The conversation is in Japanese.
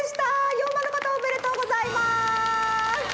④ばんのかたおめでとうございます！